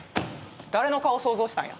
誰の顔想像したんや？